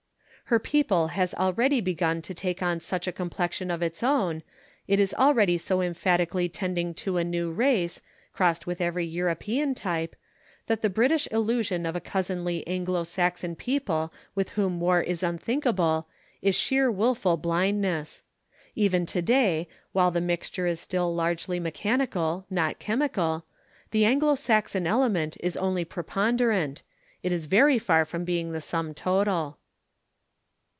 Her people has already begun to take on such a complexion of its own, it is already so emphatically tending to a new race, crossed with every European type, that the British illusion of a cousinly Anglo Saxon people with whom war is unthinkable is sheer wilful blindness. Even to day, while the mixture is still largely mechanical not chemical, the Anglo Saxon element is only preponderant; it is very far from being the sum total.